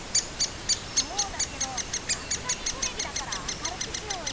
そうだけどさすがにテレビだから明るくしようよ。